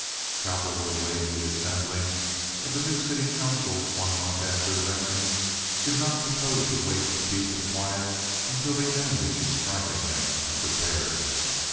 Cowperwood, awaiting the assembling of the new city council one month after election, did not propose to wait in peace and quiet until the enemy should strike at him unprepared.